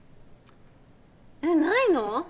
えっないの？